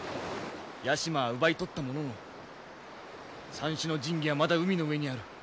屋島は奪い取ったものの三種の神器はまだ海の上にある。